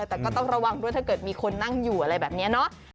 แต่ก็ต้องระวังด้วยถ้าเกิดมีคนนั่งอยู่อะไรแบบนี้เนาะ